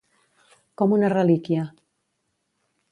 Com una relíquia.